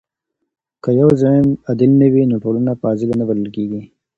که يو زعيم عادل نه وي نو ټولنه فاضله نه بلل کيږي.